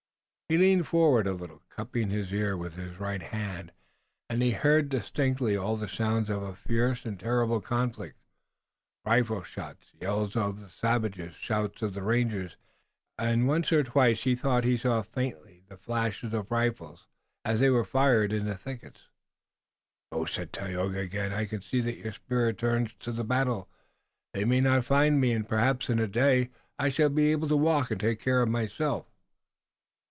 He leaned forward a little, cupping his ear with his right hand, and he heard distinctly all the sounds of a fierce and terrible conflict, rifle shots, yells of the savages, shouts of the rangers, and once or twice he thought he saw faintly the flashes of rifles as they were fired in the thickets. "Go," said Tayoga again. "I can see that your spirit turns to the battle. They may not find me, and, perhaps in a day, I shall be able to walk and take care of myself."